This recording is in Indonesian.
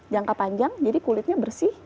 jangka panjang jadi kulitnya bersih